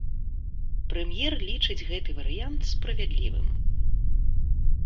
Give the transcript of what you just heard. Прэм'ер лічыць гэты варыянт справядлівым.